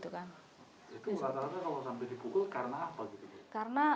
itu rata rata kalau sampai dipukul karena apa gitu